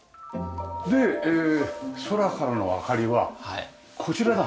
で空からの明かりはこちらだ！